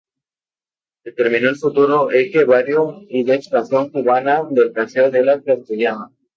Determinó el futuro eje viario y de expansión urbana del Paseo de la Castellana.